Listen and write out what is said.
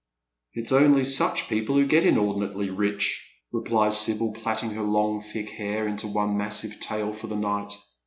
" It's only such people who get inordinately rich," replies Sibyl, plaiting her long thick bail into one massive tail for tho night.